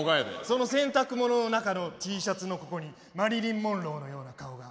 その洗濯物の中のＴシャツのここにマリリン・モンローのような顔が。